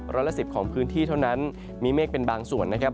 ร้อยละสิบของพื้นที่เท่านั้นมีเมฆเป็นบางส่วนนะครับ